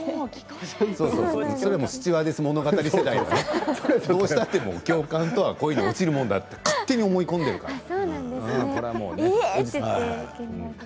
「スチュワーデス物語」世代はね、どうしたって教官と恋に落ちるものだって勝手に思い込んでいるからね。